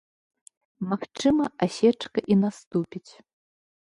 Магчыма, асечка і наступіць.